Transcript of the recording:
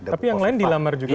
tapi yang lain dilamar juga